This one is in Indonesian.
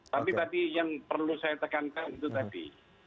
tapi tadi yang perlu saya tekankan itu tadi